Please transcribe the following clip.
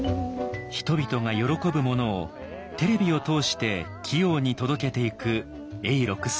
人々が喜ぶものをテレビを通して器用に届けていく永六輔。